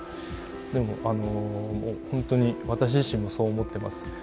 でも本当に私自身もそう思ってます。